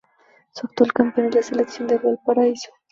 Su actual campeón es la Selección de Valparaíso.